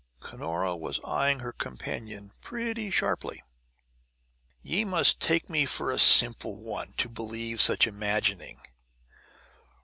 Cunora was eying her companion pretty sharply. "Ye must take me for a simple one, to believe such imagining."